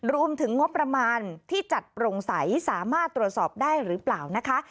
รวมถึงงบประมาณที่จัดโปร่งใสสามารถตรวจสอบได้หรือเปล่านะคะ